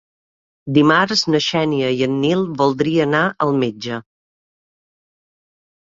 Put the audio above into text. Dimarts na Xènia i en Nil voldria anar al metge.